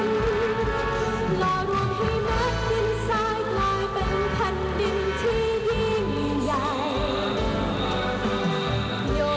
ทุกร้องที่พลังสลาย